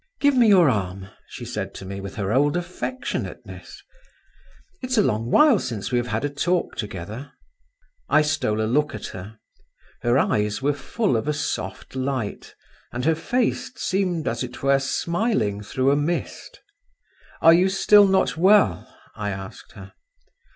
"Give me your arm," she said to me with her old affectionateness, "it's a long while since we have had a talk together." I stole a look at her; her eyes were full of a soft light, and her face seemed as it were smiling through a mist. "Are you still not well?" I asked her.